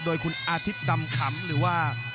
โดยคุณอาทิตย์ดำขำหรือว่า